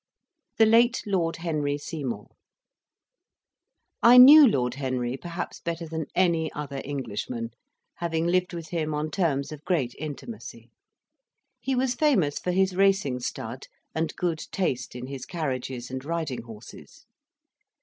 THE LATE LORD HENRY SEYMOUR I knew Lord Henry perhaps better than any other Englishman, having lived with him on terms of great intimacy. He was famous for his racing stud and good taste in his carriages and riding horses.